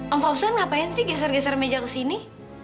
om fauzan ngapain sih geser geser meja ke sini